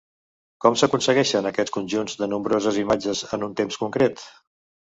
Com s'aconsegueixen aquests conjunts de nombroses imatges en un temps concret?